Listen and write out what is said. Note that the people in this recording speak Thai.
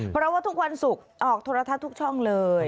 เพราะว่าทุกวันสุขออกธุระทะทุกช่องเลย